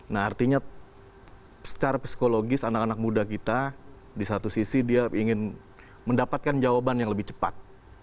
nah artinya secara psikologis anak anak muda kita di satu sisi dia ingin mendapatkan jawaban yang lebih cepat